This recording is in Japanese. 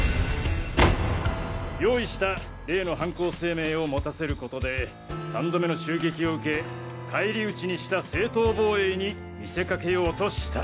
用意した例の犯行声明を持たせることで三度目の襲撃を受け返り討ちにした正当防衛に見せかけようとした。